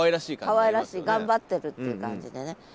かわいらしい頑張ってるっていう感じでね。